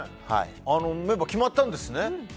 メンバー決まったんですね。